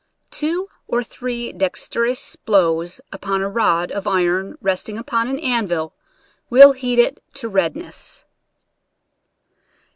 Two or three dextrous blows upon a rod of iron resting upon an anvil will heat it to redness.